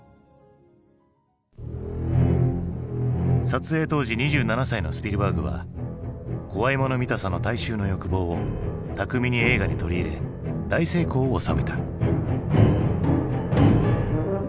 撮影当時２７歳のスピルバーグは怖いもの見たさの大衆の欲望を巧みに映画に取り入れ大成功を収めた。